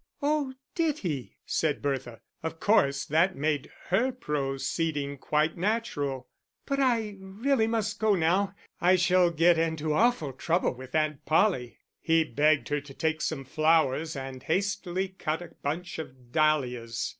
"Oh, did he?" said Bertha. Of course that made her proceeding quite natural. "But I really must go now. I shall get into awful trouble with Aunt Polly." He begged her to take some flowers, and hastily cut a bunch of dahlias.